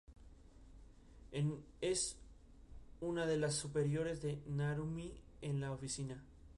Es una de las superiores de Narumi en la oficina.